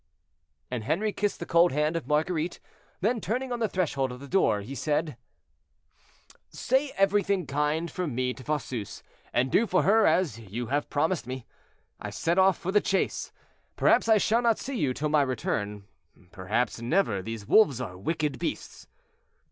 And Henri kissed the cold hand of Marguerite. Then, turning on the threshold of the door, he said: "Say everything kind from me to Fosseuse, and do for her as you have promised me. I set off for the chase; perhaps I shall not see you till my return, perhaps never—these wolves are wicked beasts.